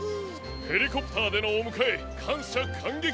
ヘリコプターでのおむかえかんしゃかんげきです。